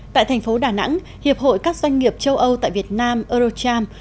tại thành phố đà nẵng hiệp hội các doanh nghiệp châu âu tại việt nam eurocharm